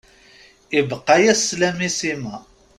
Ibeqqa-yas slam i Sima.